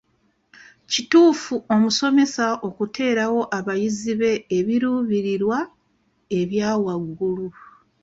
Kituufu omusomesa okuteerawo abayizi be ebiruubiriwa ebya waggului?